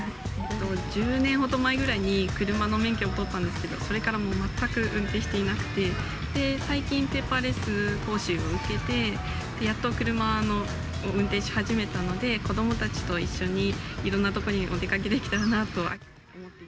１０年ほど前ぐらいに車の免許を取ったんですけど、それからもう全く運転していなくて、最近、ペーパーレス講習を受けて、やっと車の運転をし始めたので、子どもたちと一緒にいろんな所にお出かけできたらなと。